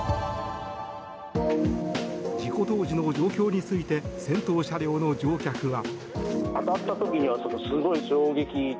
事故当時の状況について先頭車両の乗客は。